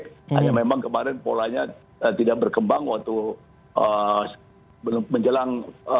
hanya memang kemarin polanya tidak berkembang waktu menjelang